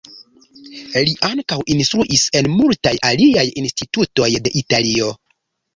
Li ankaŭ instruis en multaj aliaj institutoj de Italio.